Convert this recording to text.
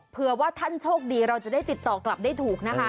เพื่อว่าท่านโชคดีเราจะได้ติดต่อกลับได้ถูกนะคะ